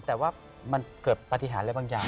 แต่ว่ามันเกิดปฏิหารอะไรบางอย่าง